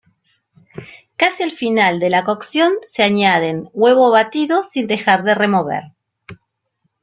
Casi al final de la cocción se añaden huevo batido sin dejar de remover.